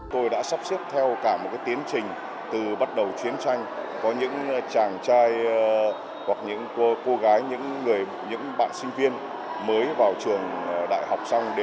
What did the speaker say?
tôi đã sắp xếp theo cả một tiến trình từ bắt đầu chiến tranh có những chàng trai hoặc những cô gái những bạn sinh viên mới vào trường đại học xong